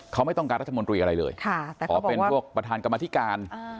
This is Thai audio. เขาไม่ต้องการรัฐมนตรีอะไรเลยขอเป็นพวกประธานกรรมธิการ